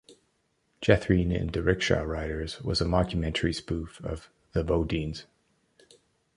"Jethrine and Da Rickshaw Riders" was a mockumentary spoof of the BoDeans.